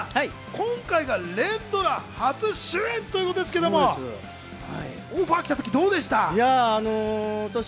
今回が連ドラ初主演ということですけれど、オファー来たときどうでした？